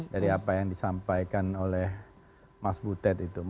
dari apa yang disampaikan oleh mas butet itu